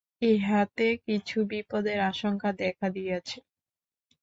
ইহাতে কিছু বিপদের আশঙ্কাও দেখা দিয়াছে।